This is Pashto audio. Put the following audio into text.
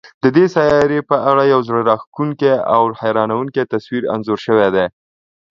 د دې سیارې په اړه یو زړه راښکونکی او حیرانوونکی تصویر انځور شوی دی.